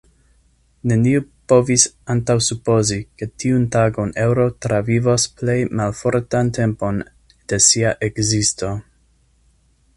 Neniu povis antaŭsupozi, ke tiun tagon eŭro travivos plej malfortan tempon de sia ekzisto.